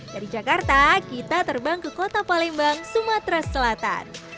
dari jakarta kita terbang ke kota palembang sumatera selatan